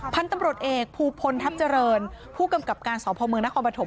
พันธุ์ตำรวจเอกภูพลทัพเจริญผู้กำกับการสพมนครปฐม